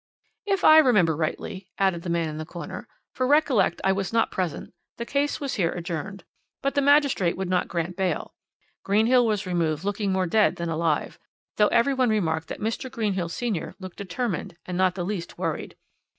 "If I remember rightly," added the man in the corner, "for recollect I was not present, the case was here adjourned. But the magistrate would not grant bail. Greenhill was removed looking more dead than alive though every one remarked that Mr. Greenhill senior looked determined and not the least worried.